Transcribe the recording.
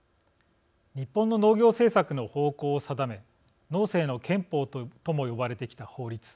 日本の農業政策の方向を定め農政の憲法とも呼ばれてきた法律。